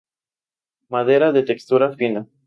Madera de textura fina.